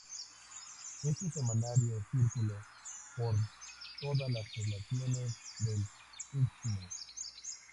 Este semanario circuló por todas las poblaciones del Istmo.